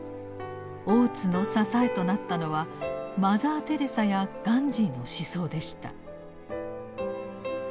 大津の支えとなったのはマザー・テレサやガンジーの思想でした。